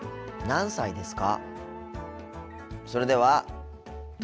何歳ですか？